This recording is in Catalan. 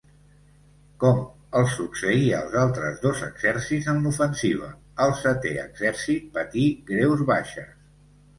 Com els succeí als altres dos exèrcits en l'ofensiva, el Setè Exèrcit patí greus baixes.